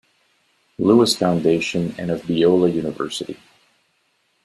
Lewis Foundation and of Biola University.